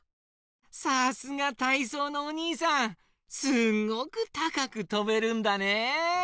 さすがたいそうのおにいさんすっごくたかくとべるんだね！